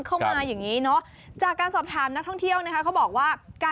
ใช่หน้าฝนมอกเยอะ